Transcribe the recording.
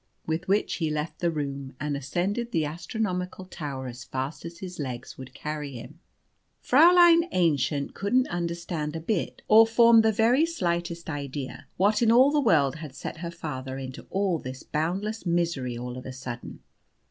With which he left the room, and ascended the astronomical tower as fast as his legs would carry him. Fräulein Aennchen couldn't understand a bit, or form the very slightest idea what in all the world had set her father into all this boundless misery all of a sudden.